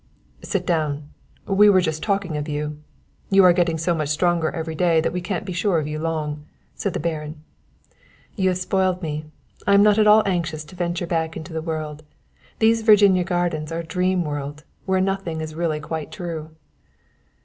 "Sit down. We were just talking of you. You are getting so much stronger every day that we can't be sure of you long," said the Baron. "You have spoiled me, I am not at all anxious to venture back into the world. These Virginia gardens are a dream world, where nothing is really quite true."